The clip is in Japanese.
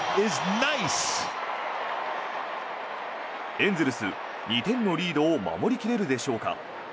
エンゼルス、２点のリードを守り切れるでしょうか。